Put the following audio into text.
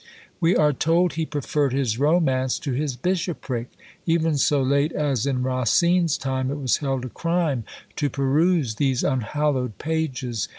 We are told he preferred his romance to his bishopric. Even so late as in Racine's time it was held a crime to peruse these unhallowed pages.